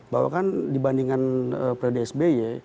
bahwa kan dibandingkan periode sby